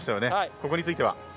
ここについては？